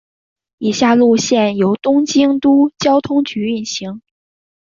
以下路线由东京都交通局运行。